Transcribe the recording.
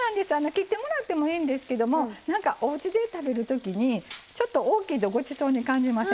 切ってもらってもいいんですけどもおうちで食べるときにちょっと大きいとごちそうに感じません？